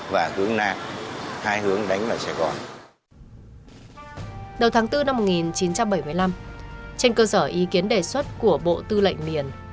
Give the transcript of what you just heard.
và hướng nam